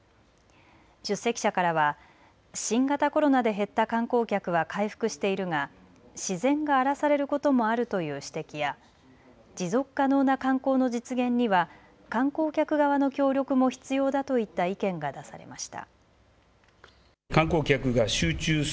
出席者からは新型コロナで減った観光客は回復しているが自然が荒らされることもあるという指摘や持続可能な観光の実現には観光客側の協力も必要だといった意見が出されました。